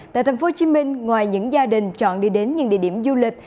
tại tp hcm ngoài những gia đình chọn đi đến những địa điểm du lịch